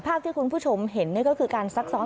ภาพมีผู้ชมเห็นก็คือการซักซ้อม